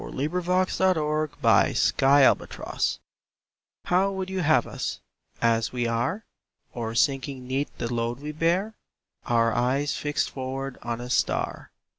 James Weldon Johnson To America HOW would you have us, as we are? Or sinking 'neath the load we bear? Our eyes fixed forward on a star?